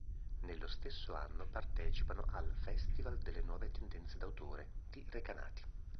Nello stesso anno partecipano al "Festival delle Nuove Tendenze d'Autore" di Recanati.